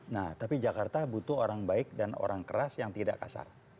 nah tapi jakarta butuh orang baik dan orang keras yang tidak kasar